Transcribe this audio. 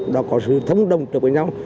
đó có sự thống đồng trợ với nhau